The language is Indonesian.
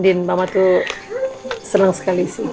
mama tuh senang sekali sih